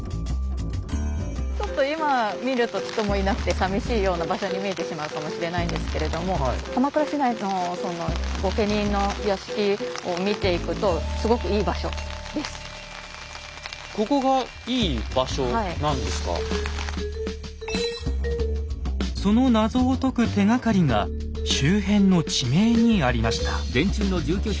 ちょっと今見ると人もいなくてさみしいような場所に見えてしまうかもしれないんですけれども鎌倉市内の御家人の屋敷を見ていくとその謎を解く手がかりが周辺の地名にありました。